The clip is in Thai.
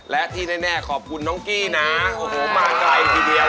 และที่แน่ขอบคุณน้องกี้นะโอ้โหมาไกลทีเดียว